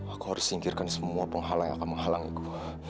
aku harus singkirkan semua penghalang yang akan menghalangiku